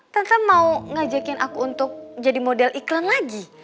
tante mau ngajakin aku untuk jadi model iklan lagi